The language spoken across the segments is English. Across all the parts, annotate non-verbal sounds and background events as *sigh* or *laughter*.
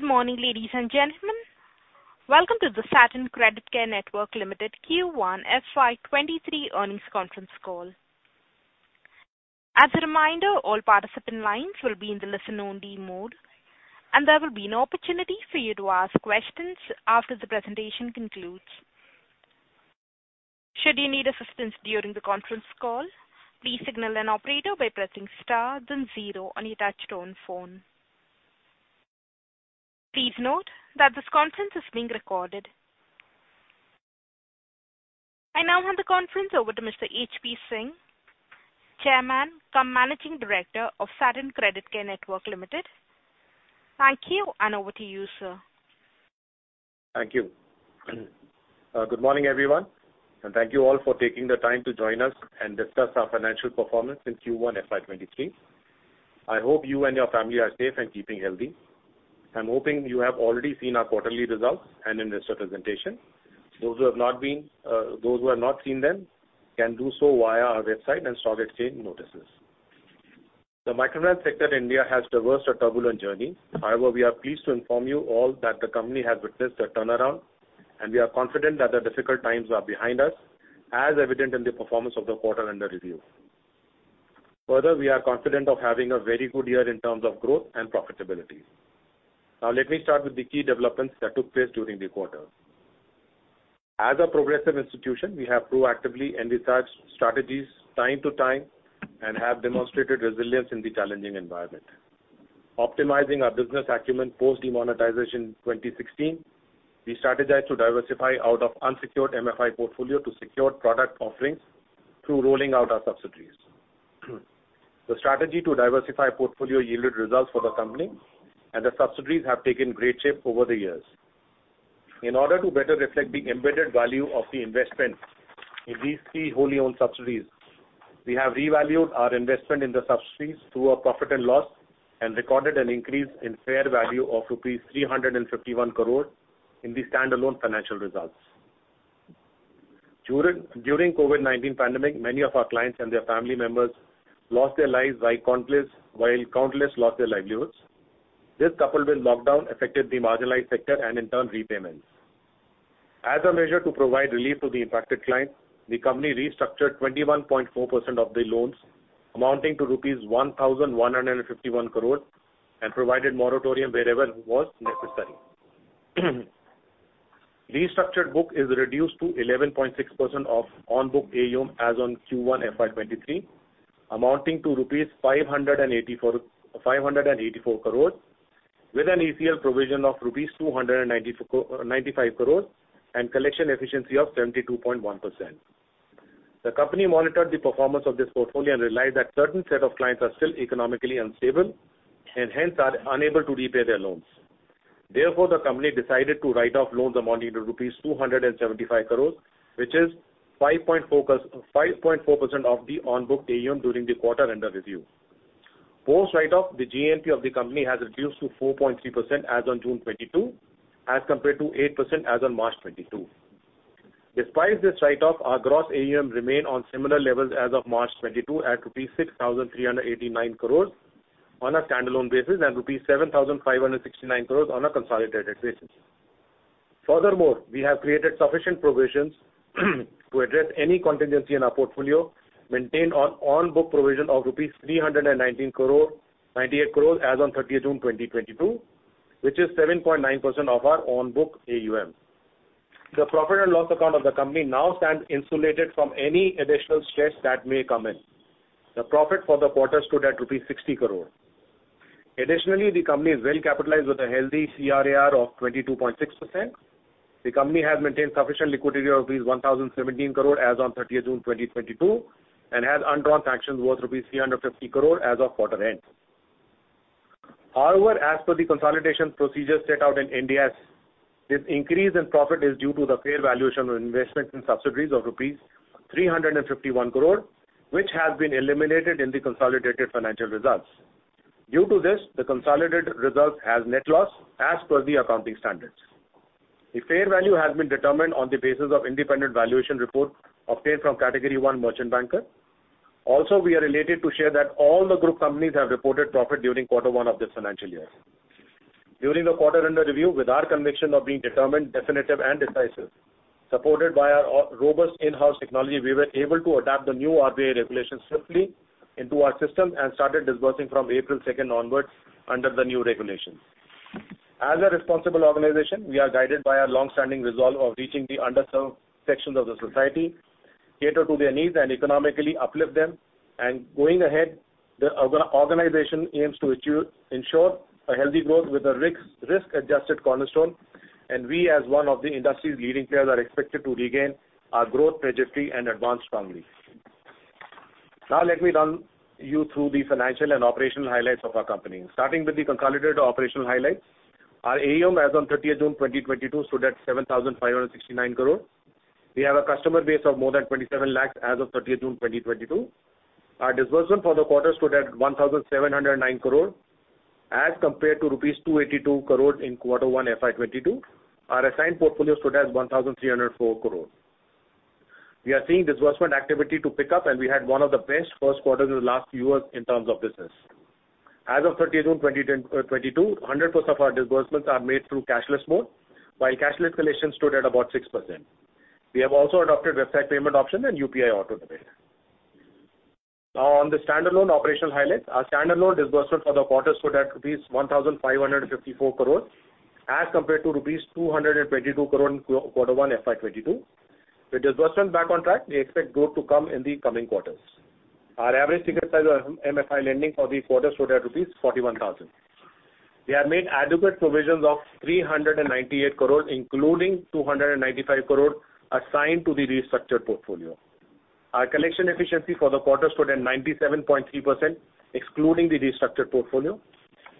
Good morning, ladies and gentlemen. Welcome to the Satin Creditcare Network Limited Q1 FY 2023 earnings conference call. As a reminder, all participant lines will be in the listen only mode, and there will be an opportunity for you to ask questions after the presentation concludes. Should you need assistance during the conference call, please signal an operator by pressing star then zero on your touchtone phone. Please note that this conference is being recorded. I now hand the conference over to Mr. HP Singh, Chairman cum Managing Director of Satin Creditcare Network Limited. Thank you, and over to you, sir. Thank you. Good morning, everyone, and thank you all for taking the time to join us and discuss our financial performance in Q1 FY 2023. I hope you and your family are safe and keeping healthy. I'm hoping you have already seen our quarterly results and investor presentation. Those who have not seen them can do so via our website and stock exchange notices. The microfinance sector in India has traversed a turbulent journey. However, we are pleased to inform you all that the company has witnessed a turnaround, and we are confident that the difficult times are behind us, as evident in the performance of the quarter under review. Further, we are confident of having a very good year in terms of growth and profitability. Now let me start with the key developments that took place during the quarter. As a progressive institution, we have proactively envisaged strategies time to time and have demonstrated resilience in the challenging environment. Optimizing our business acumen post demonetization in 2016, we strategized to diversify out of unsecured MFI portfolio to secured product offerings through rolling out our subsidiaries. The strategy to diversify portfolio yielded results for the company, and the subsidiaries have taken great shape over the years. In order to better reflect the embedded value of the investment in these three wholly-owned subsidiaries, we have revalued our investment in the subsidiaries through our profit and loss and recorded an increase in fair value of rupees 351 crore in the standalone financial results. During COVID-19 pandemic, many of our clients and their family members lost their lives while countless lost their livelihoods. This, coupled with lockdown, affected the marginalized sector and in turn repayments. As a measure to provide relief to the impacted clients, the company restructured 21.4% of the loans amounting to rupees 1,151 crore and provided moratorium wherever was necessary. Restructured book is reduced to 11.6% of on-book AUM as on Q1 FY 2023, amounting to 584 crore with an ACL provision of rupees 295 crore and collection efficiency of 72.1%. The company monitored the performance of this portfolio and realized that certain set of clients are still economically unstable and hence are unable to repay their loans. Therefore, the company decided to write off loans amounting to rupees 275 crore, which is 5.4% of the on-book AUM during the quarter under review. Post write-off, the GNPA of the company has reduced to 4.3% as on June 2022, as compared to 8% as on March 2022. Despite this write-off, our gross AUM remains on similar levels as of March 2022 at rupees 6,389 crores on a standalone basis and rupees 7,569 crores on a consolidated basis. Furthermore, we have created sufficient provisions to address any contingency in our portfolio, maintained on-book provision of rupees 398 crores as on June 30, 2022, which is 7.9% of our on-book AUM. The profit and loss account of the company now stands insulated from any additional stress that may come in. The profit for the quarter stood at INR 60 crore. The company is well capitalized with a healthy CRAR of 22.6%. The company has maintained sufficient liquidity of rupees 1,017 crore as on June 30th, 2022, and has undrawn sanctions worth rupees 350 crore as of quarter end. However, as per the consolidation procedure set out in Ind AS, this increase in profit is due to the fair valuation of investment in subsidiaries of rupees 351 crore, which has been eliminated in the consolidated financial results. Due to this, the consolidated results has net loss as per the accounting standards. The fair value has been determined on the basis of independent valuation report obtained from Category I merchant banker. Also, we are elated to share that all the group companies have reported profit during quarter one of this financial year. During the quarter under review, with our conviction of being determined, definitive and decisive, supported by our robust in-house technology, we were able to adapt the new RBI regulations swiftly into our system and started disbursing from April 2nd onwards under the new regulations. As a responsible organization, we are guided by our long-standing resolve of reaching the underserved sections of the society, cater to their needs and economically uplift them. Going ahead, the organization aims to ensure a healthy growth with a risk-adjusted cornerstone. We, as one of the industry's leading players, are expected to regain our growth trajectory and advance strongly. Now let me run you through the financial and operational highlights of our company. Starting with the consolidated operational highlights. Our AUM as on June 30th, 2022 stood at INR 7,569 crore. We have a customer base of more than 27 lakh as of June 30th, 2022. Our disbursement for the quarter stood at 1,709 crore as compared to rupees 282 crore in quarter one FY 2022. Our assigned portfolio stood at 1,304 crore. We are seeing disbursement activity to pick up, and we had one of the best first quarter in the last few years in terms of business. As of June 30th, 2022, 100% of our disbursements are made through cashless mode, while cashless collections stood at about 6%. We have also adopted website payment option and UPI auto debit. Now on the standalone operational highlights. Our standalone disbursement for the quarter stood at 1,554 crore as compared to rupees 222 crore in quarter one FY 2022. With disbursement back on track, we expect growth to come in the coming quarters. Our average ticket size of MFI lending for the quarter stood at rupees 41,000. We have made adequate provisions of 398 crore, including 295 crore assigned to the restructured portfolio. Our collection efficiency for the quarter stood at 97.3%, excluding the restructured portfolio.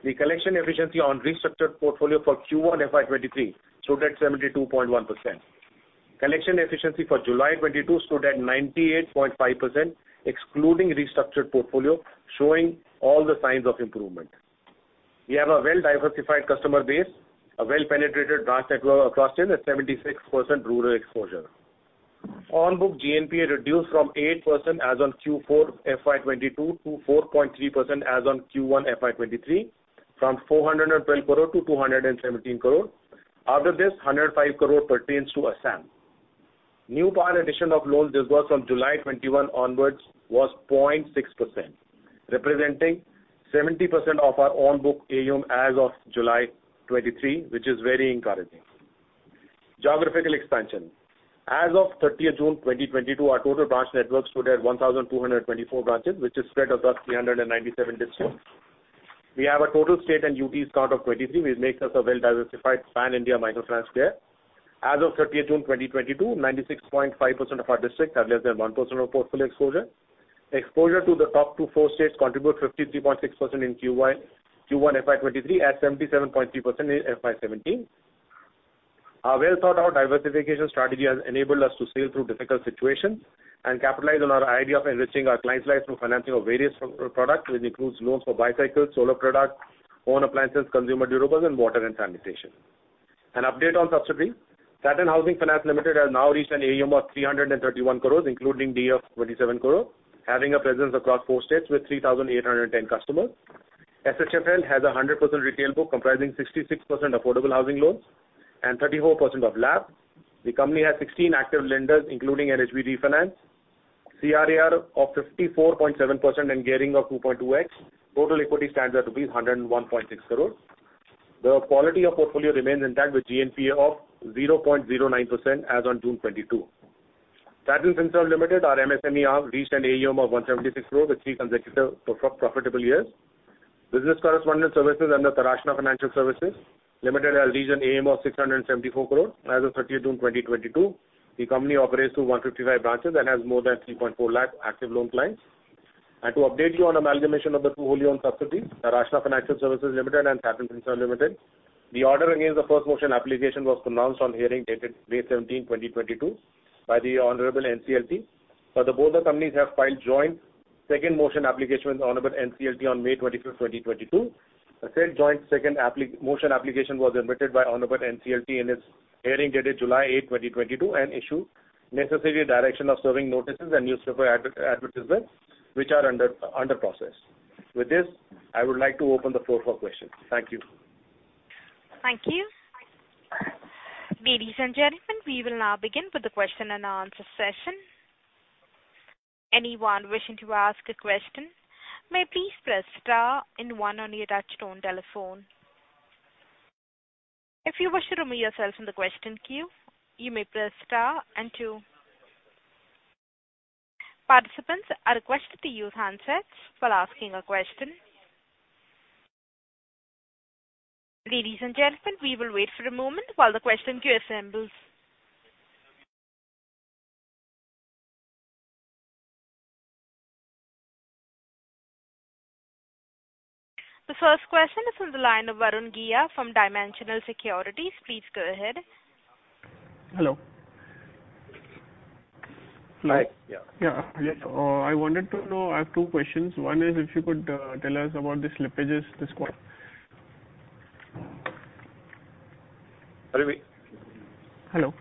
The collection efficiency on restructured portfolio for Q1 FY 2023 stood at 72.1%. Collection efficiency for July 2022 stood at 98.5%, excluding restructured portfolio, showing all the signs of improvement. We have a well-diversified customer base, a well-penetrated branch network across India, 76% rural exposure. On-book GNPA reduced from 8% as on Q4 FY 2022 to 4.3% as on Q1 FY 2023, from 412 crore to 217 crore. Out of this, 105 crore pertains to Assam. New pile addition of loans disbursed from July 2021 onwards was 0.6%, representing 70% of our on-book AUM as of July 2023, which is very encouraging. Geographical expansion. As of June 30th, 2022, our total branch network stood at 1,224 branches, which is spread across 397 districts. We have a total state and UTs count of 23, which makes us a well-diversified pan-India microfinance player. As of June 30th, 2022, 96.5% of our districts have less than 1% of portfolio exposure. Exposure to the [top 24 states] contributes 53.6% in Q1 FY 2023, at 77.3% in FY 2017. Our well-thought-out diversification strategy has enabled us to sail through difficult situations and capitalize on our idea of enriching our clients' lives through financing of various products, which includes loans for bicycles, solar products, home appliances, consumer durables, and water and sanitation. An update on subsidiaries. Satin Housing Finance Limited has now reached an AUM of 331 crore, including DA of 27 crore, having a presence across 4 states with 3,810 customers. SHFL has a 100% retail book comprising 66% affordable housing loans and 34% of LAP. The company has 16 active lenders, including NHB refinance, CRAR of 54.7% and gearing of 2.2x. Total equity stands at 101.6 crores. The quality of portfolio remains intact with GNPA of 0.09% as on June 2022. Satin Finserv Limited, our MSME arm, reached an AUM of 176 crore with three consecutive profitable years. Business correspondence services under Taraashna Financial Services Limited has reached an AUM of 674 crore as of June 30th, 2022. The company operates through 155 branches and has more than 3.4 lakh active loan clients. To update you on amalgamation of the two wholly owned subsidiaries, Taraashna Financial Services Limited and Satin Finserv Limited, the order against the first motion application was pronounced on hearing dated May 17, 2022 by the Honorable NCLT, but the board of companies have filed joint second motion application with Honorable NCLT on May 25, 2022. The said joint second motion application was admitted by Honorable NCLT in its hearing dated July 8, 2022, and issued necessary direction of serving notices and newspaper advertisements, which are under process. With this, I would like to open the floor for questions. Thank you. Thank you. Ladies and gentlemen, we will now begin with the question and answer session. Anyone wishing to ask a question may please press star and one on your touchtone telephone. If you wish to remove yourself from the question queue, you may press star and two. Participants are requested to use handsets while asking a question. Ladies and gentlemen, we will wait for a moment while the question queue assembles. The first question is on the line of Varun Ghia from Dimensional Securities. Please go ahead. Hello. Yeah. Yeah. I wanted to know. I have two questions. One is if you could tell us about the slippages this quarter. Pardon me. Hello.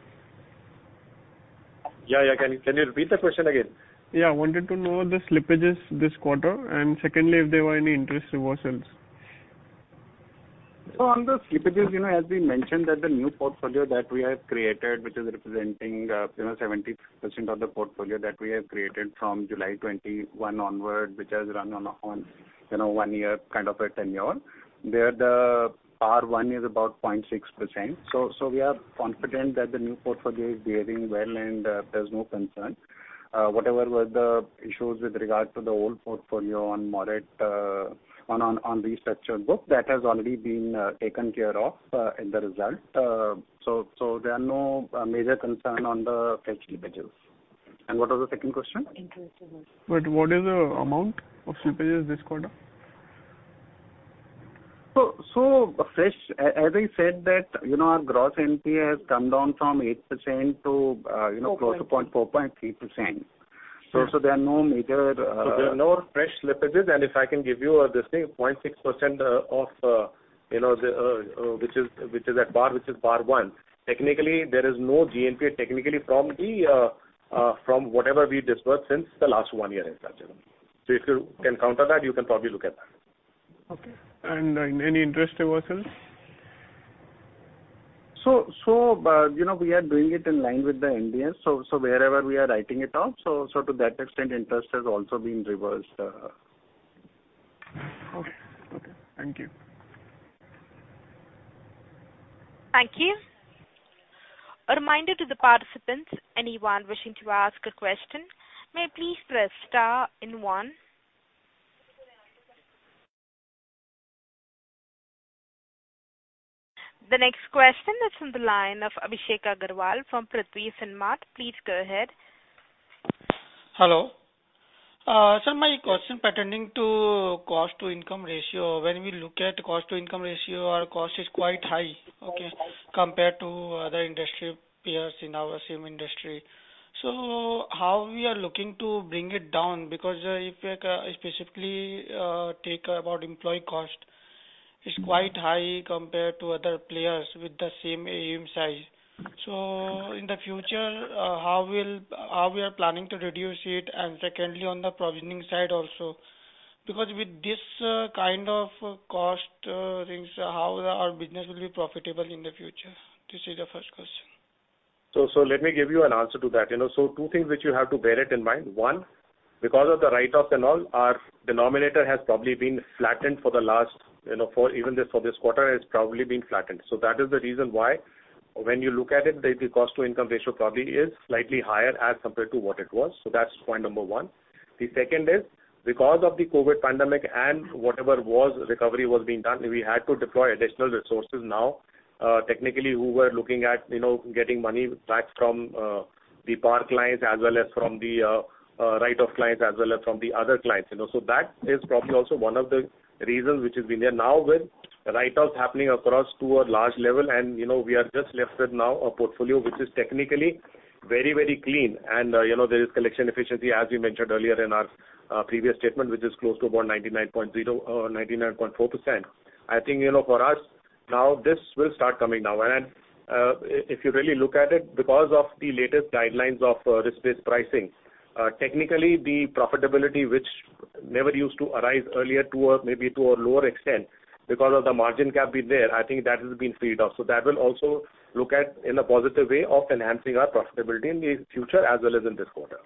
Yeah. Can you repeat the question again? Yeah. I wanted to know the slippages this quarter, and secondly, if there were any interest reversals? On the slippages, as we mentioned that the new portfolio that we have created, which is representing, 70% of the portfolio that we have created from July 2021 onward, which has run on a, on, you know, one year kind of a tenure, there the PAR 1 is about 0.6%. We are confident that the new portfolio is behaving well and there's no concern. Whatever were the issues with regard to the old portfolio on moratorium on restructured book, that has already been taken care of in the result. There are no major concern on the fresh slippages. What was the second question? What is the amount of slippages this quarter? As I said, that, you know, our gross NPA has come down from 8% to, close to 4.3%. There are no major- There are no fresh slippages, and if I can give you this thing, 0.6% of, you know, the which is at par, which is PAR 1. Technically, there is no GNPA, technically from whatever we disbursed since the last one year. If you can counter that, you can probably look at that. Okay. Any interest reversal? We are doing it in line with the NHB. Wherever we are writing it off, so to that extent, interest has also been reversed. Okay. Thank you. Thank you. A reminder to the participants, anyone wishing to ask a question may please press star and one. The next question is from the line of Abhishek Agarwal from. *audio distortion* Please go ahead. Hello. Sir, my question pertaining to cost to income ratio. When we look at cost to income ratio, our cost is quite high, okay, compared to other industry peers in our same industry. How we are looking to bring it down? Because, like, specifically, talk about employee cost is quite high compared to other players with the same AUM size. In the future, how we are planning to reduce it? Secondly, on the provisioning side also, because with this kind of costly things, how our business will be profitable in the future? This is the first question. Let me give you an answer to that. You know, two things which you have to bear it in mind. One, because of the write-offs and all, our denominator has probably been flattened for the last four quarters, even for this quarter, has probably been flattened. That is the reason why when you look at it, the cost to income ratio probably is slightly higher as compared to what it was. That's point number one. The second is because of the COVID pandemic and whatever recovery was being done, we had to deploy additional resources now, technically who were looking at, getting money back from the PAR clients as well as from the write-off clients as well as from the other clients. That is probably also one of the reasons which has been there now with write-offs happening across to a large level and, we are just left with now a portfolio which is technically very, very clean. You know, there is collection efficiency, as we mentioned earlier in our, previous statement, which is close to about 99.0, 99.4%. I think, for us now this will start coming now and, if you really look at it because of the latest guidelines of, risk-based pricing, technically the profitability which never used to arise earlier to a, maybe to a lower extent because of the margin gap being there, I think that has been freed up. That will also look at in a positive way of enhancing our profitability in the future as well as in this quarter.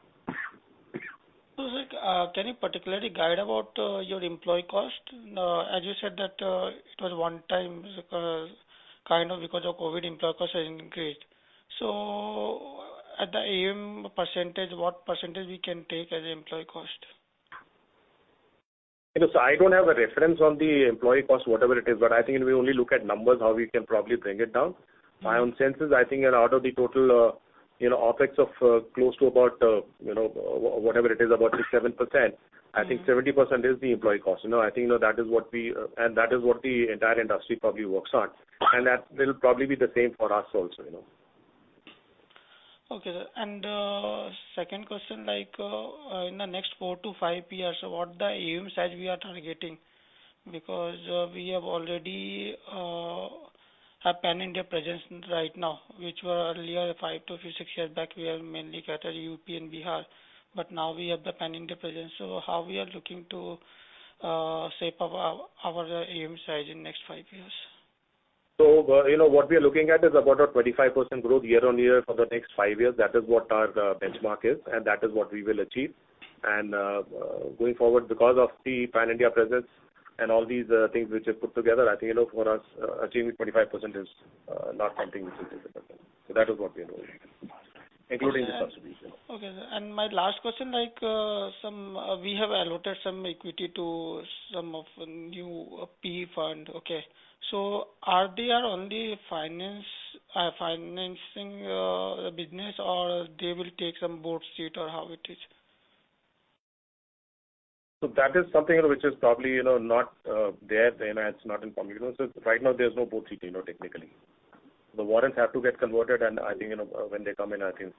Sir, can you particularly guide about your employee cost? As you said that it was one time kind of because of COVID employee cost has increased. At the AUM percentage, what percentage we can take as employee cost? I don't have a reference on the employee cost, whatever it is, but I think if we only look at numbers, how we can probably bring it down. My own sense is I think that out of the total, you know, OpEx of, close to about whatever it is, about 6-7%, I think 70% is the employee cost. You know, I think, that is what we, and that is what the entire industry probably works on. That will probably be the same for us also, you know. Okay, sir. Second question, like, in the next four-five years, what the AUM size we are targeting? Because, we have already a pan-India presence right now, which were earlier five-six years back, we are mainly catered UP and Bihar, but now we have the pan-India presence. So how we are looking to shape our AUM size in next five years? You know, what we are looking at is about a 25% growth year-on-year for the next five years. That is what our benchmark is, and that is what we will achieve. Going forward, because of the pan-India presence and all these things which are put together, I think, for us, achieving 25% is not something which is impossible. That is what we are looking at, including this contribution. Okay, sir. My last question, we have allotted some equity to some new PE fund, okay. So are they only financing business or they will take some board seat or how it is? That is something which is probably, not there then it's not in public. You know, right now there's no board seat technically. The warrants have to get converted and I think, you know, when they come in, I think,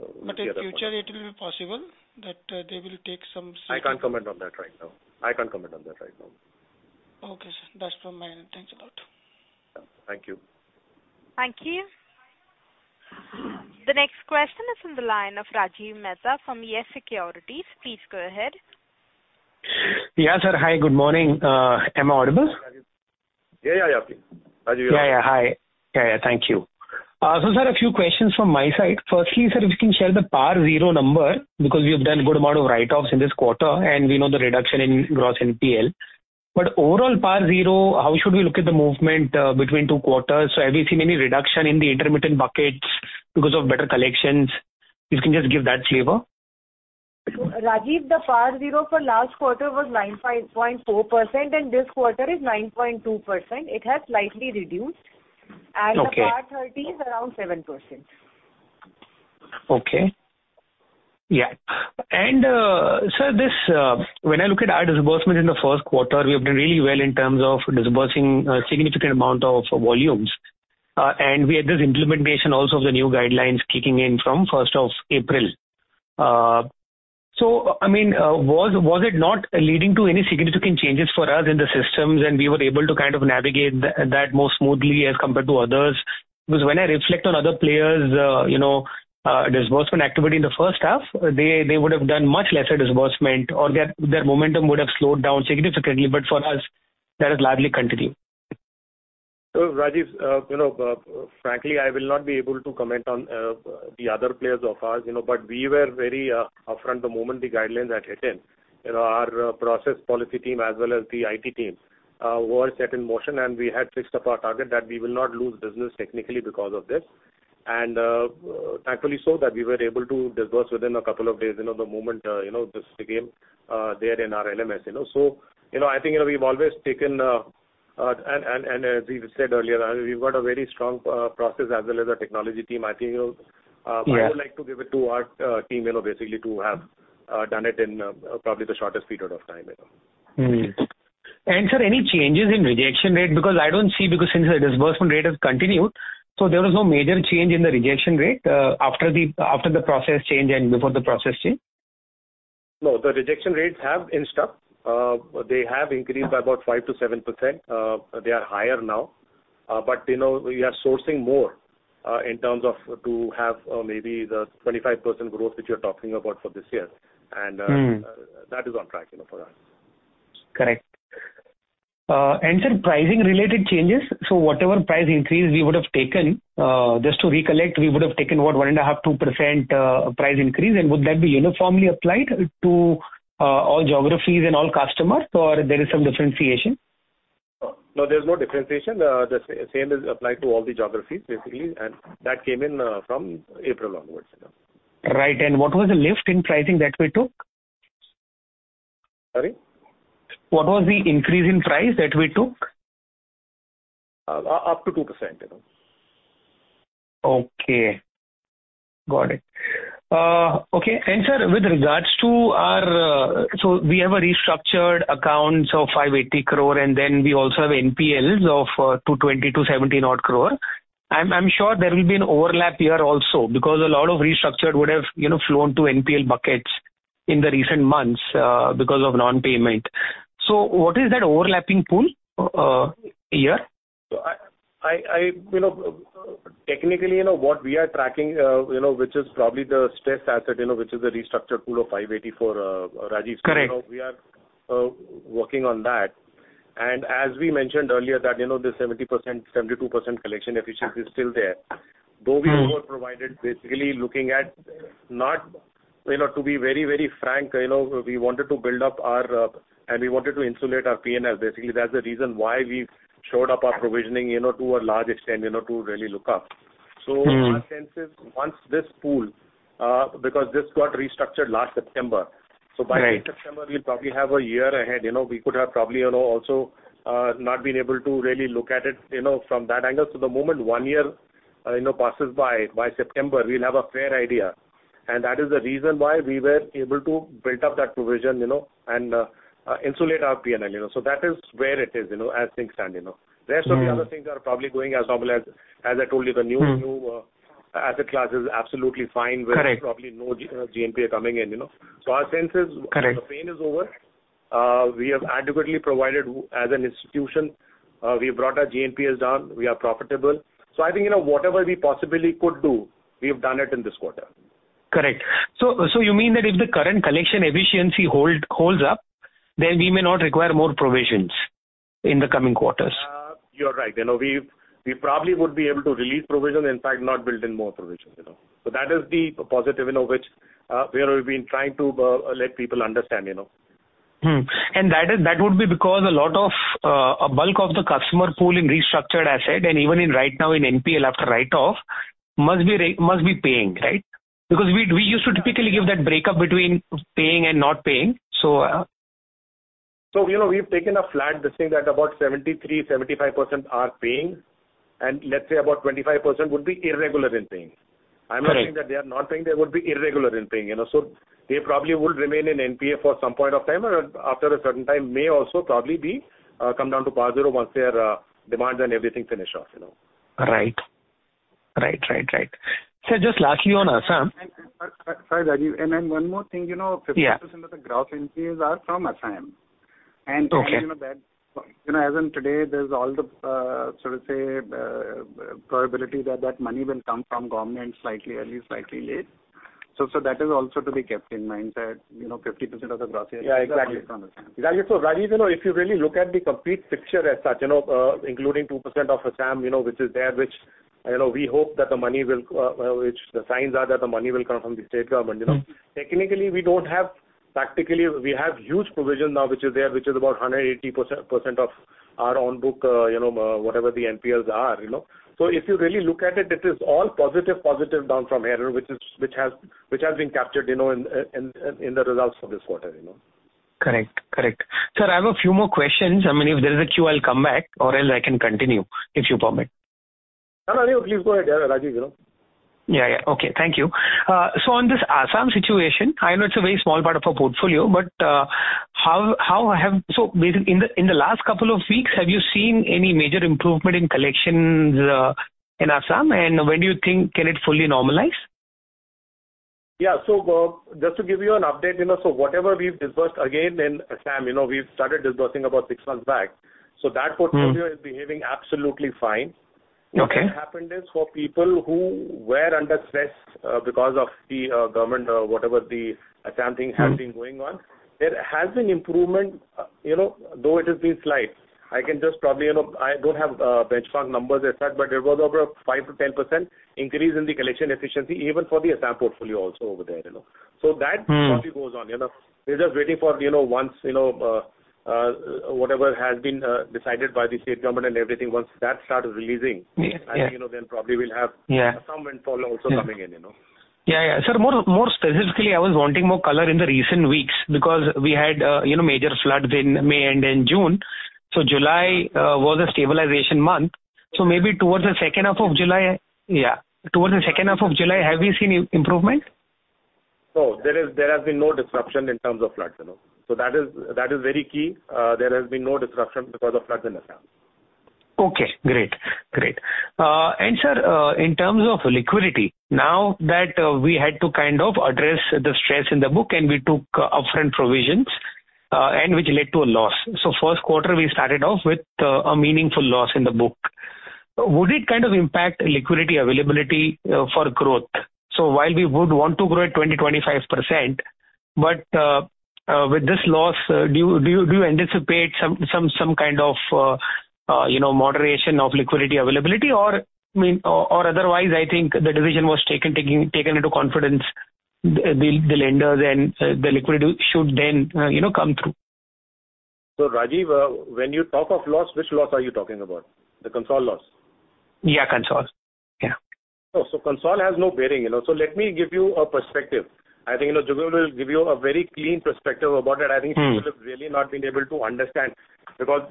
we'll get that one. In future it will be possible that they will take some seat? I can't comment on that right now. Okay, sir. That's from my end. Thanks a lot. Thank you. Thank you. The next question is from the line of Rajiv Mehta from YES Securities. Please go ahead. Yeah, sir. Hi, good morning. Am I audible? Yeah. Rajiv. Sir, a few questions from my side. Firstly, sir, if you can share the PAR 0 number because we have done good amount of write-offs in this quarter and we know the reduction in gross NPA. Overall PAR 0, how should we look at the movement between two quarters? Have you seen any reduction in the intermediate buckets because of better collections? If you can just give that flavor. Rajiv, the PAR 0 for last quarter was 9.54%, and this quarter is 9.2%. It has slightly reduced. Okay. The PAR 30 is around 7%. Okay. When I look at our disbursement in the first quarter, we have done really well in terms of disbursing a significant amount of volumes, and we had this implementation also of the new guidelines kicking in from April 1st. So I mean, was it not leading to any significant changes for us in the systems and we were able to kind of navigate that more smoothly as compared to others? Because when I reflect on other players, you know, disbursement activity in the first half, they would have done much lesser disbursement or their momentum would have slowed down significantly. But for us, that has largely continued. Rajiv, frankly, I will not be able to comment on the other players of ours, you know. We were very upfront the moment the guidelines had kicked in. You know, our process policy team as well as the IT team was set in motion and we had fixed up our target that we will not lose business technically because of this. Thankfully so that we were able to disburse within a couple of days. You know, the moment, this came there in our LMS, and also I think, we've always taken and as we said earlier, we've got a very strong process as well as a technology team. Yes. I would like to give it to our team, basically to have done it in probably the shortest period of time. Sir, any changes in rejection rate? Because I don't see, since the disbursement rate has continued, so there was no major change in the rejection rate after the process change and before the process change? No, the rejection rates have increased. They have increased by about 5%-7%. They are higher now. But you know, we are sourcing more in terms of to have maybe the 25% growth which you're talking about for this year. That is on track, you know, for us. Correct. Sir, pricing related changes. Whatever price increase we would have taken, just to recollect, we would have taken what? 1.5%-2% price increase and would that be uniformly applied to all geographies and all customers or there is some differentiation? No, there's no differentiation. The same is applied to all the geographies basically and that came in from April onwards. Right. What was the lift in pricing that we took? Sorry? What was the increase in price that we took? Up to 2%. Okay. Got it. Okay. Sir, with regards to our restructured accounts of 580 crore and then we also have NPLs of 220-270 odd crore. I'm sure there will be an overlap here also because a lot of restructured would have, flown to NPL buckets in the recent months because of non-payment. What is that overlapping pool, a year? Technically, what we are tracking, you know, which is probably the stressed asset, which is a restructured pool of 584. Correct. Rajiv, you know, we are working on that. As we mentioned earlier that, you know, the 70%-72% collection efficiency is still there. Though we overprovided, basically, to be very, very frank, you know, and we wanted to insulate our P&L basically. That's the reason why we've stepped up our provisioning to a large extent. Our sense is once this pool, because this got restructured last September. Right. By September, we'll probably have a year ahead. You know, we could have probably, also, not been able to really look at it, from that angle. The moment one year, passes by September, we'll have a fair idea. That is the reason why we were able to build up that provision, and, insulate our P&L. That is where it is, as things stand. Rest of the other things are probably going as normal, as I told you. A new asset class is absolutely fine. Correct. With probably no GNPA coming in. Our sense is the pain is over. We have adequately provided as an institution. We've brought our GNPAs down. We are profitable. I think, whatever we possibly could do, we have done it in this quarter. Correct. You mean that if the current collection efficiency holds up, then we may not require more provisions in the coming quarters? You are right. We probably would be able to release provision, in fact not build in more provision. That is the positive, which we have been trying to let people understand. That would be because a lot of, a bulk of the customer pool in restructured asset and even right now in NPL after write-off must be paying, right? Because we used to typically give that breakup between paying and not paying. You know, we've taken a flat just saying that about 73%-75% are paying and let's say about 25% would be irregular in paying. Correct. I'm not saying that they are not paying, they would be irregular in paying, you know. They probably would remain in NPA for some point of time and after a certain time may also probably be, come down to PAR 0 once their, demands and everything finish off. Right. Sir, just lastly on Assam. Sorry, Rajiv. Then one more thing, you know. Yeah. 50% of the gross NPAs are from Assam. You know that, as of today, there's all the, so to speak, probability that money will come from government slightly early, slightly late. That is also to be kept in mind that, you know, 50% of the growth is from Assam. Yeah, exactly. Rajiv, if you really look at the complete picture as such, including 2% of Assam, which is there, we hope that the money will, which the signs are that the money will come from the state government. Technically, we don't have. Practically, we have huge provision now, which is about 180% of our own book, whatever the NPLs are, you know. If you really look at it is all positive down from here, which has been captured, in the results of this quarter. Correct. Sir, I have a few more questions. I mean, if there is a queue, I'll come back or else I can continue, if you permit. No, please go ahead. Yeah, Rajiv. Yeah, okay. Thank you. On this Assam situation, I know it's a very small part of our portfolio, but in the last couple of weeks, have you seen any major improvement in collections in Assam, and when do you think can it fully normalize? Yeah. Just to give you an update, so whatever we've disbursed again in Assam, we've started disbursing about six months back. That portfolio is behaving absolutely fine. Okay. What happened is for people who were under stress, because of the government, whatever the Assam thing has been going on. There has been improvement, though it has been slight. I can just probably, you know, I don't have benchmark numbers as such, but it was over 5%-10% increase in the collection efficiency even for the Assam portfolio also over there. Probably goes on. We're just waiting for, you know, once whatever has been decided by the state government and everything, once that starts releasing. Yeah, yeah. I think, probably we'll have Assam windfall also coming in. Yeah. Sir, more specifically, I was wanting more color in the recent weeks because we had major floods in May, and in June. July was a stabilization month. Maybe towards the second half of July, have we seen improvement? There has been no disruption in terms of floods. That is very key. There has been no disruption because of floods in Assam. Okay, great. Great. Sir, in terms of liquidity, now that we had to kind of address the stress in the book and we took upfront provisions, and which led to a loss. First quarter, we started off with a meaningful loss in the book. Would it kind of impact liquidity availability for growth? While we would want to grow at 20%-25%, but with this loss, do you anticipate some kind of, you know, moderation of liquidity availability or, I mean, otherwise I think the decision was taken, taking the lenders into confidence and the liquidity should then come through. Rajiv, when you talk of loss, which loss are you talking about? The consolidated loss? Yeah, consolidated. Yeah. Consolidation has no bearing. Let me give you a perspective. I think, you know, Jugal will give you a very clean perspective about it. Mm-hmm. People have really not been able to understand because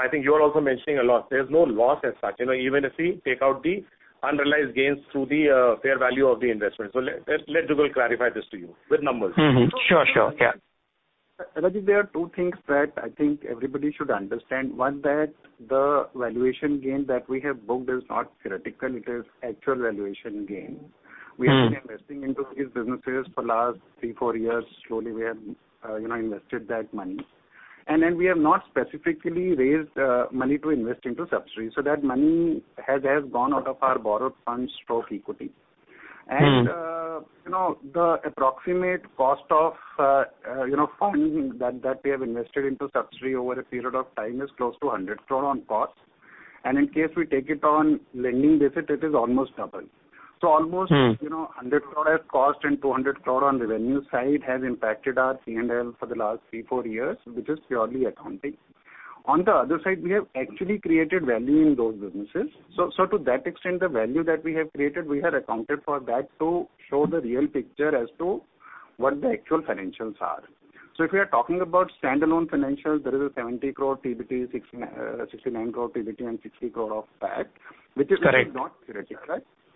I think you are also mentioning a loss. There's no loss as such. Even if we take out the unrealized gains through the fair value of the investment. Let Jugal clarify this to you with numbers. Sure, sure. Yeah. Sir, Rajiv, there are two things that I think everybody should understand. One, that the valuation gain that we have booked is not theoretical, it is actual valuation gain. We have been investing into these businesses for last three, four years. Slowly we have invested that money. Then we have not specifically raised money to invest into subsidiary. That money has gone out of our borrowed funds towards equity. You know, the approximate cost of funding that we have invested into subsidiary over a period of time is close to 100 crore on cost. In case we take it on lending basis, it is almost double. You know, 100 crore as cost and 200 crore on revenue side has impacted our PNL for the last three, four years, which is purely accounting. On the other side, we have actually created value in those businesses. To that extent, the value that we have created, we have accounted for that to show the real picture as to what the actual financials are. If we are talking about standalone financials, there is a 70 crore PBT, 69 crore PBT and 60 crore of PAT,, which is not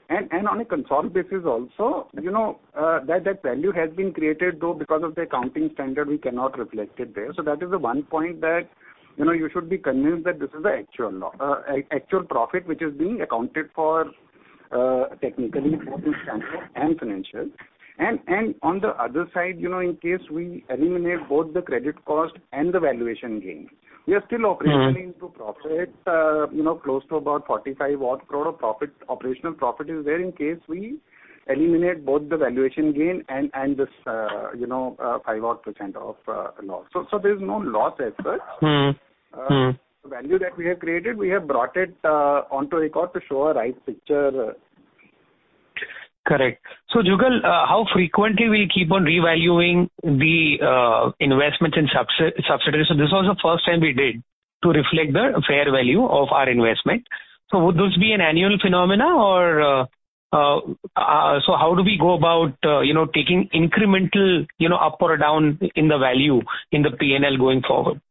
theoretical. On a consolidated basis also, you know, that value has been created, though because of the accounting standard we cannot reflect it there. That is the one point that, you should be convinced that this is the actual profit which is being accounted for, technically for this financial and financials. On the other side, in case we eliminate both the credit cost and the valuation gain, we are still operating Into profit, you know, close to about 45 odd crore of profit. Operational profit is there in case we eliminate both the valuation gain and this, 5% of loss. There's no loss as such. The value that we have created, we have brought it onto record to show a right picture. Correct. Jugal, how frequently we'll keep on revaluing the investments in subsidiaries? This was the first time we did to reflect the fair value of our investment. Would this be an annual phenomenon? How do we go about, taking incremental, you know, up or down in the value in the P&L going forward?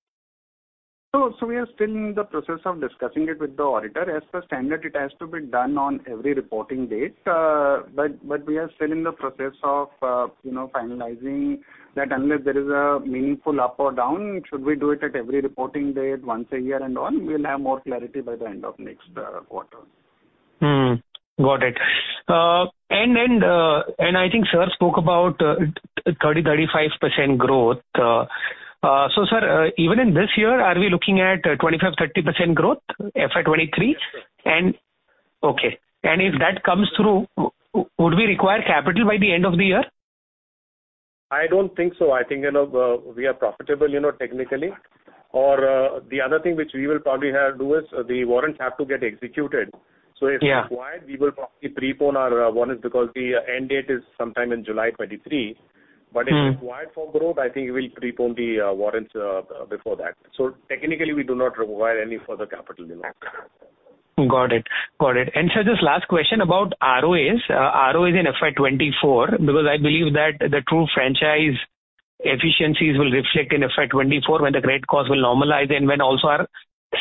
We are still in the process of discussing it with the auditor. As per standard, it has to be done on every reporting date. But we are still in the process of finalizing that, unless there is a meaningful up or down, should we do it at every reporting date once a year and on? We'll have more clarity by the end of next quarter. Got it. I think sir spoke about 35% growth. Sir, even in this year, are we looking at 25%-30% growth, FY 2023? Yes, sir. Okay. If that comes through, would we require capital by the end of the year? I don't think so. I think, you know, we are profitable technically. The other thing which we will probably have to do is the warrants have to get executed. Yeah. If required, we will probably prepone our warrants because the end date is sometime in July 2023. If required for growth, I think we'll prepone the warrants before that. Technically, we do not require any further capital. Got it. Sir, just last question about ROAs. ROAs in FY 2024 because I believe that the true franchise, efficiencies will reflect in FY 2024 when the credit cost will normalize and when also our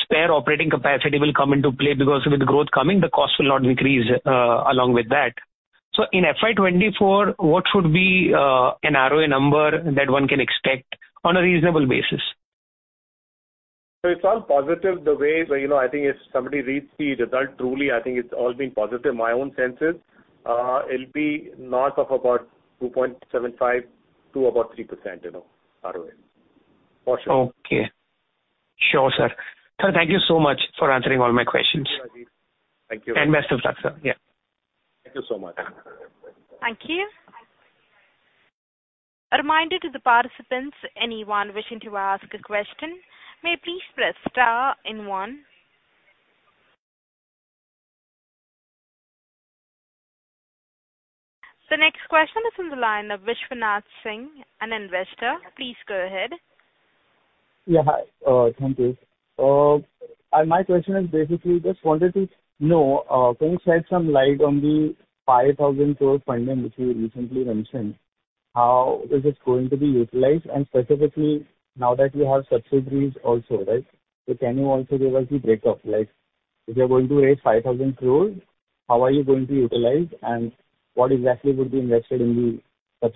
spare operating capacity will come into play because with growth coming, the cost will not increase, along with that. In FY 2024, what should be an ROA number that one can expect on a reasonable basis? It's all positive the way. I think if somebody reads the result truly, I think it's all been positive. My own sense is, it'll be north of about 2.75%-3%, you know, ROA, for sure. Okay. Sure, sir. Thank you so much for answering all my questions. Thank you, Rajiv. Best of luck, sir. Yeah. Thank you so much. Thank you. A reminder to the participants, anyone wishing to ask a question may please press star and one. The next question is from the line of Vishwanath Singh, an investor. Please go ahead. My question is basically just wanted to know, can you shed some light on the 5,000 crore funding which you recently mentioned? How is this going to be utilized? Specifically, now that you have subsidiaries also, right? Can you also give us the breakup? Like, if you're going to raise 5,000 crores, how are you going to utilize and what exactly would be invested in the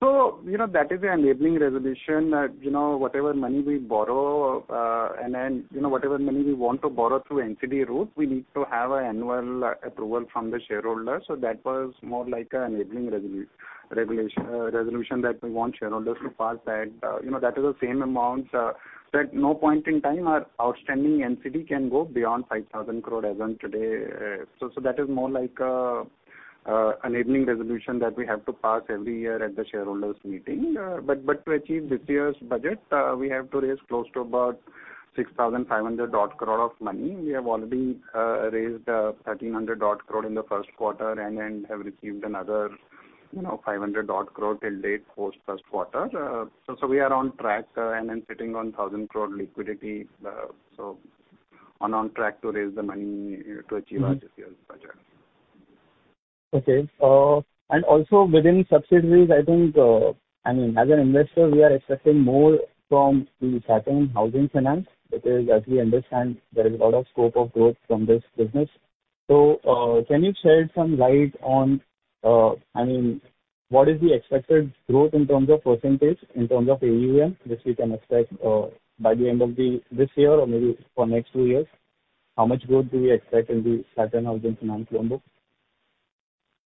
subsidiaries? You know, that is an enabling resolution that, whatever money we borrow, and then, whatever money we want to borrow through NCD route, we need to have an annual approval from the shareholders. That was more like an enabling resolution that we want shareholders to pass that. You know, that is the same amount. At no point in time our outstanding NCD can go beyond 5,000 crore as on today. So that is more like an enabling resolution that we have to pass every year at the shareholders meeting. But to achieve this year's budget, we have to raise close to about 6,500 crore of money. We have already raised 1,300 odd crore in the first quarter and have received another, 500 odd crore till date for first quarter. We are on track and then sitting on 1,000 crore liquidity. On track to raise the money to achieve our this year's budget. Okay. Also within subsidiaries, I think, I mean, as an investor, we are expecting more from the Satin Housing Finance because as we understand there is a lot of scope of growth from this business. Can you shed some light on, I mean, what is the expected growth in terms of percentage, in terms of AUM, which we can expect, by the end of this year or maybe for next two years? How much growth do we expect in the Satin Housing Finance loan book?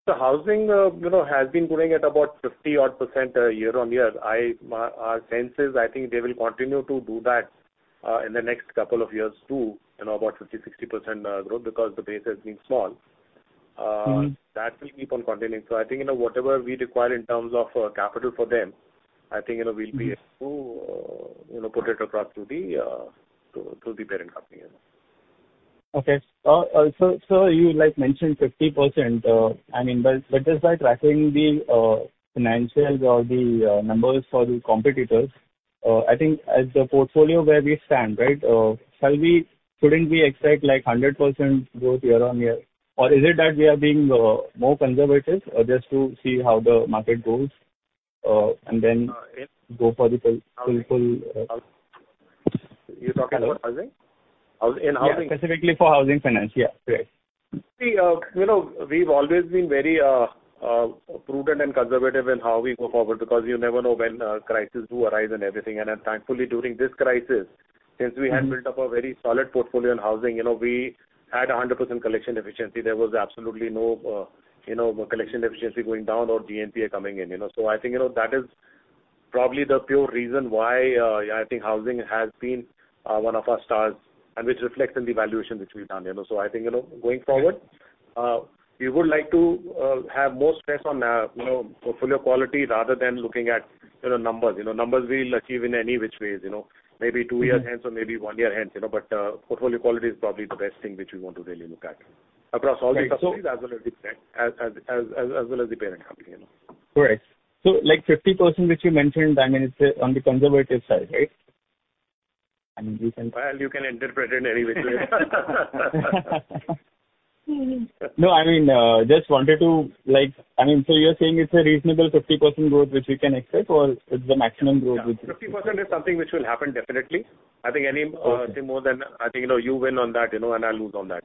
Housing, has been growing at about 50-odd% year-on-year. Our sense is I think they will continue to do that in the next couple of years too, you know, about 50%-60% growth because the base has been small. That will keep on continuing. I think, whatever we require in terms of capital for them, I think, we'll be able to put it across to the parent company. Okay. You like mentioned 50%. I mean, just by tracking the financials or the numbers for the competitors, I think as the portfolio where we stand, right, shouldn't we expect like 100% growth year-on-year? Or is it that we are being more conservative just to see how the market goes, and then go for the full. You're talking about housing? In housing? Yeah. Specifically for housing finance. Yeah. Correct. See, we've always been very prudent and conservative in how we go forward because you never know when crisis do arise and everything. Thankfully during this crisis, since we had built up a very solid portfolio in housing, we had 100% collection efficiency. There was absolutely no collection efficiency going down or GNPA coming in. I think, that is probably the pure reason why, yeah, I think housing has been one of our stars and which reflects in the valuation which we've done. I think, going forward, we would like to have more stress on portfolio quality rather than looking at, numbers. You know, numbers we'll achieve in any which ways. Maybe two years hence or maybe one year hence. Portfolio quality is probably the best thing which we want to really look at across all the industries as well as the parent company. Correct. Like 50% which you mentioned, I mean, it's on the conservative side, right? I mean, we can- Well you can interpret it any which way. No. I mean, just wanted to like I mean, so you're saying it's a reasonable 50% growth which we can expect or it's the maximum growth which Yeah. 50% is something which will happen definitely. I think any, say more than that, I think, you win on that, and I lose on that.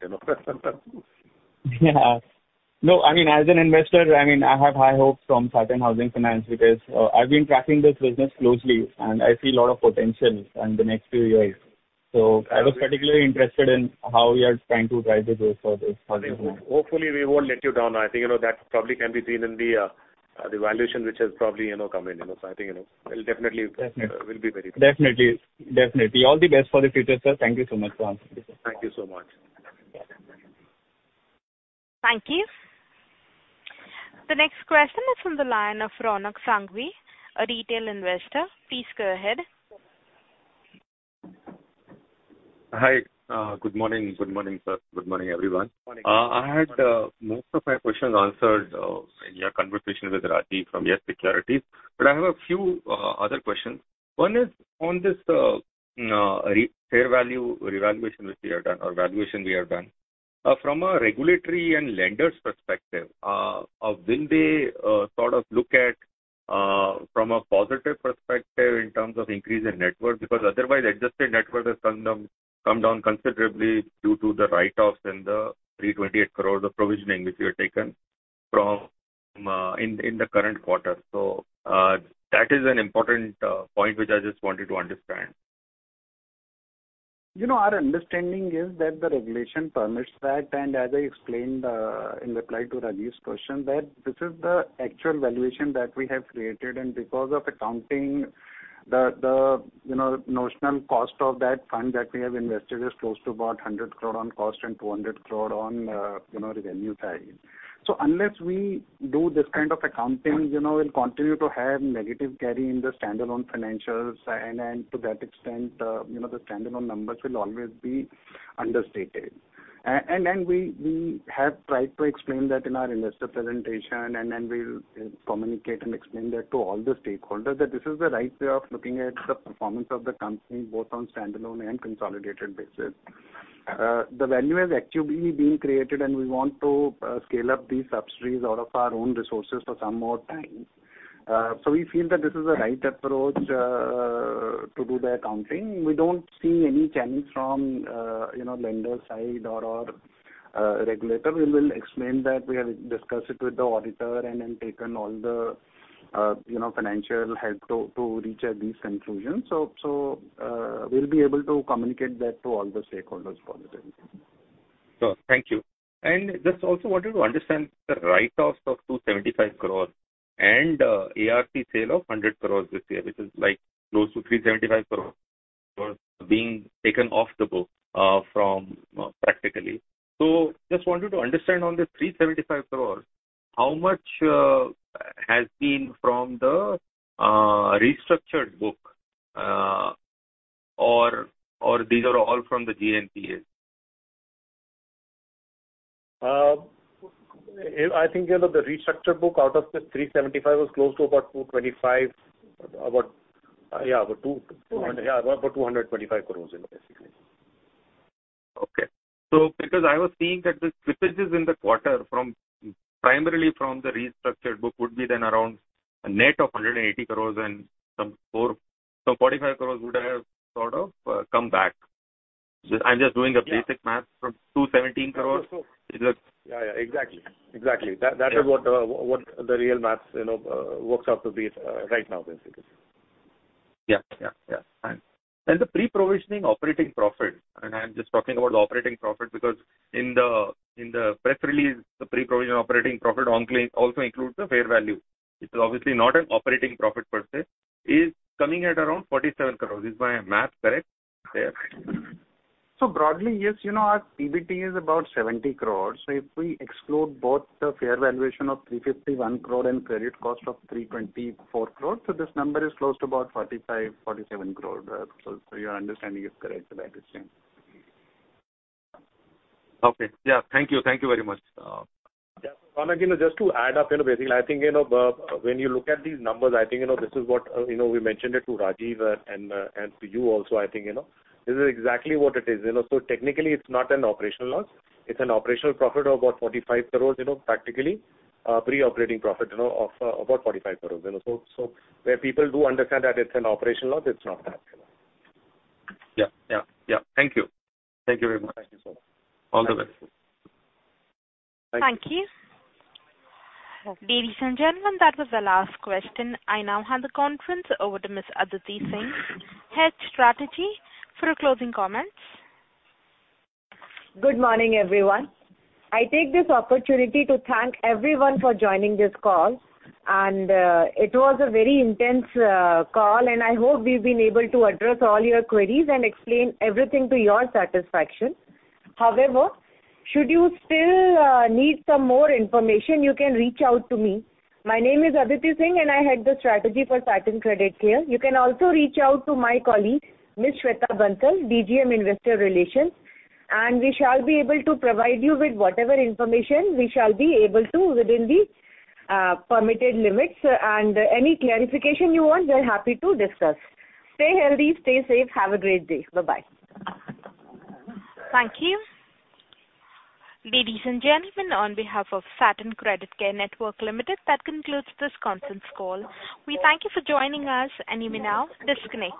No, I mean, as an investor, I mean, I have high hopes from Satin Housing Finance because I've been tracking this business closely and I see a lot of potential in the next few years. I was particularly interested in how we are trying to drive the growth for this positive growth. Hopefully we won't let you down. I think, that probably can be seen in the valuation which has probably come in. I think, it'll definitely be very good. Definitely. All the best for the future, sir. Thank you so much for answering. Thank you so much. Thank you. The next question is from the line of Ronak Sanghvi, a retail investor. Please go ahead. Hi. Good morning. Good morning, sir. Good morning, everyone. Morning. I had most of my questions answered in your conversation with Rajiv Mehta from YES Securities, but I have a few other questions. One is on this fair value revaluation which we have done or valuation we have done. From a regulatory and lender's perspective, will they sort of look at from a positive perspective in terms of increase in net worth? Because otherwise, adjusted net worth has come down considerably due to the write-offs and the 328 crore of provisioning which you had taken in the current quarter. That is an important point which I just wanted to understand. You know, our understanding is that the regulation permits that, and as I explained in reply to Rajiv's question that this is the actual valuation that we have created and because of accounting, the notional cost of that fund that we have invested is close to about 100 crore on cost and 200 crore on revenue side. Unless we do this kind of accounting, we'll continue to have negative carry in the standalone financials, and then to that extent, the standalone numbers will always be understated. Then we have tried to explain that in our investor presentation and then we'll communicate and explain that to all the stakeholders that this is the right way of looking at the performance of the company, both on standalone and consolidated basis. The value has actually been created, and we want to scale up these subsidiaries out of our own resources for some more time. We feel that this is the right approach to do the accounting. We don't see any change from, lender side or regulator. We will explain that we have discussed it with the auditor and then taken all the, financial help to reach at these conclusions. We'll be able to communicate that to all the stakeholders for this reason. Sure. Thank you. Just also wanted to understand the write-offs of 275 crores and ARC sale of 100 crores this year, which is like close to 375 crores was being taken off the book from practically. So just wanted to understand on the 375 crores, how much has been from the restructured book, or these are all from the GNPA? I think, the restructured book out of this 375 was close to about 225. About 225 crores basically. Okay. Because I was seeing that the slippages in the quarter from primarily from the restructured book would be then around a net of 180 crore and some 40, some 45 crore would have sort of come back. I'm just doing the basic math from 217 crore. Yeah, exactly. That is what the real math, you know, works out to be, right now, basically. The pre-provisioning operating profit, and I'm just talking about operating profit because in the press release, the pre-provision operating profit income also includes the fair value. It is obviously not an operating profit per se. It's coming at around 47 crore. Is my math correct there? Broadly, yes. You know, our PBT is about 70 crore. If we exclude both the fair valuation of 351 crore and credit cost of 324 crore, so this number is close to about 45-47 crore. Your understanding is correct about this change. Okay. Yeah. Thank you. Thank you very much. Yeah. I think just to add up, basically, I think, when you look at these numbers, I think, this is what, we mentioned it to Rajiv and to you also, I think. This is exactly what it is, you know. Technically, it's not an operational loss. It's an operational profit of about 45 crores, practically, pre-operating profit of about 45 crores. Where people do understand that it's an operational loss, it's not that. Yeah. Thank you very much. Thank you, sir. All the best. Thank you. Ladies and gentlemen, that was the last question. I now hand the conference over to Ms. Aditi Singh, Head Strategy for closing comments. Good morning, everyone. I take this opportunity to thank everyone for joining this call. It was a very intense call, and I hope we've been able to address all your queries and explain everything to your satisfaction. However, should you still need some more information, you can reach out to me. My name is Aditi Singh and I head the strategy for Satin Creditcare. You can also reach out to my colleague, Ms. Shweta Bansal, DGM Investor Relations, and we shall be able to provide you with whatever information we shall be able to within the permitted limits. Any clarification you want, we're happy to discuss. Stay healthy, stay safe. Have a great day. Bye-bye. Thank you. Ladies and gentlemen, on behalf of Satin Creditcare Network Limited, that concludes this conference call. We thank you for joining us and you may now disconnect.